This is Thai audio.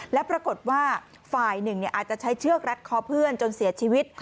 และปรากฏว่าฝ่ายหนึ่งอาจจะใช้เชือกรัดคอเพื่อนจนเสียชีวิต